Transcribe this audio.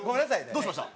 どうしました？